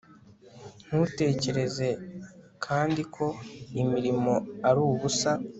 ntutekereze kandi ko imirimo ari ubusa